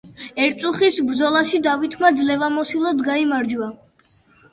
ერწუხის ბრძოლაში დავითმა ძლევამოსილად გაიმარჯვა.